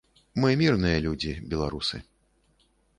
Мы мірныя людзі, беларусы.